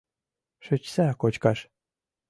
Шичса кочкаш.